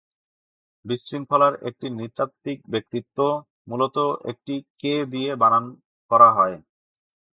বিশৃঙ্খলার একটি নৃতাত্ত্বিক ব্যক্তিত্ব, মূলত একটি "কে" দিয়ে বানান করা হয়।